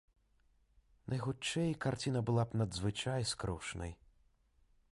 Найхутчэй, карціна была б надзвычай скрушнай.